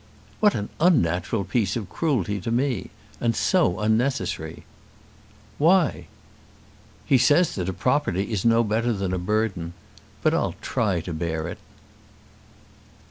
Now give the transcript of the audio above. "What an unnatural piece of cruelty to me; and so unnecessary!" "Why?" "He says that a property is no better than a burden. But I'll try and bear it."